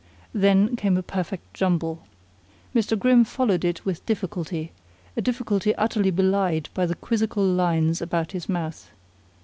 Then came a perfect jumble. Mr. Grimm followed it with difficulty, a difficulty utterly belied by the quizzical lines about his mouth.